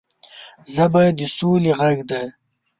ژبه د سولې غږ دی